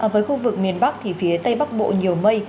với khu vực miền bắc thì phía tây bắc bộ nhiều mây